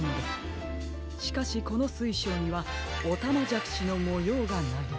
しかしこのすいしょうにはおたまじゃくしのもようがない。